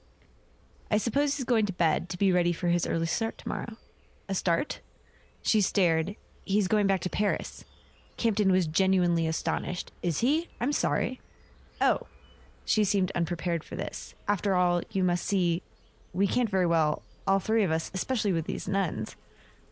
"I suppose he's going to bed—to be ready for his early start to morrow." "A start?" She stared. "He's going back to Paris." Campton was genuinely astonished. "Is he? I'm sorry." "Oh " She seemed unprepared for this. "After all, you must see—we can't very well... all three of us ... especially with these nuns.